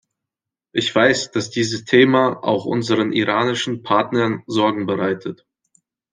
Ich weiß, dass dieses Thema auch unseren iranischen Partnern Sorgen bereitet.